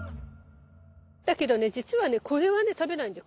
だけどねじつはねこれはね食べないんだよ